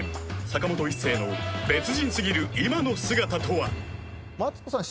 坂本一生の別人すぎる今の姿とはマツコさん